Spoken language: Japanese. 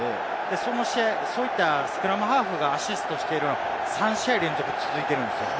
そのスクラムハーフがアシストしている、３試合連続続いているんですよ。